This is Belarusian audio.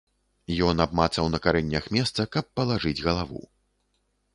Ён абмацаў на карэннях месца, каб палажыць галаву.